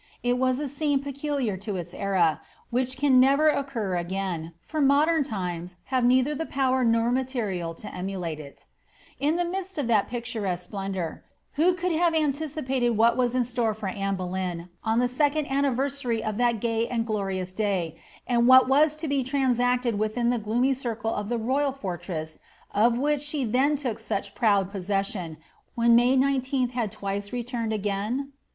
It was a scene peculiar to its era, which can never occur again, for modern times have neitlier the power nor material to emulate it In the midst of tliat picturesque splendour, who could have anticipated what was in store for Anne Boleyn on the second anniversary of that gay and glorious day, and what was to be transacted within the gloomy circle of that royal fortress of which she tlien look sucli proud possession, when May 19th had twice returned again?